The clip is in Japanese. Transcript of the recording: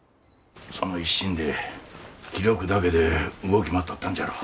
その一心で気力だけで動き回っとったんじゃろう。